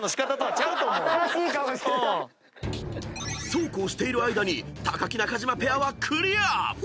［そうこうしている間に木・中島ペアはクリア］